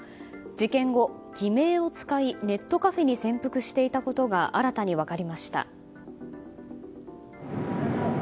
事件後、偽名を使いネットカフェに潜伏していたことが新たに分かりました。